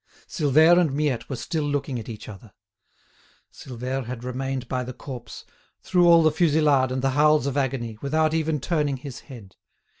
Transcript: Silvère and Miette were still looking at each other. Silvère had remained by the corpse, through all the fusillade and the howls of agony, without even turning his head.